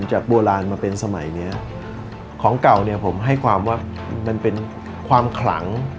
จากโบราณมาเป็นสมัยเนี้ยของเก่าเนี่ยผมให้ความว่ามันเป็นความขลัง